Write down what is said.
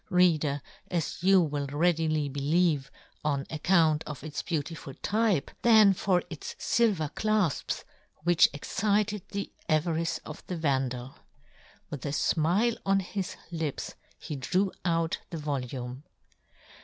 Reader, as you will readily believe, on account of its beautiful yS yohn Gutenberg. type, than for its filver clafps, which excited the avarice of the Vandal. With a fmile on his Hps he drew out the volume.